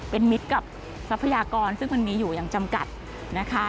เป็นมิตรกับทรัพยากรซึ่งมันมีอยู่อย่างจำกัดนะคะ